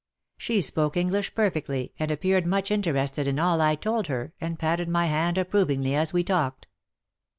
She spoke English perfectly, and appeared much interested in all I told her, and patted my hand approvingly as we talked.